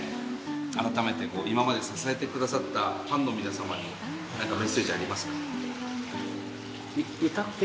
改めてこう今まで支えて下さったファンの皆様に何かメッセージはありますか？